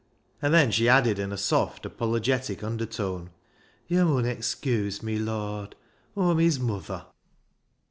And then she added in a soft, apologetic undertone —" Yo' mun excuse me, Lord ; Aw'm his muther."